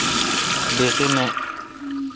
بیخی نہ۔